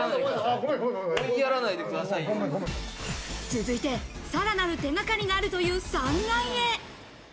続いて、さらなる手掛かりがあるという３階へ。